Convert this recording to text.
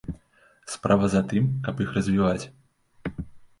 Справа за тым, каб іх развіваць.